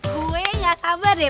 gue gak sabar deh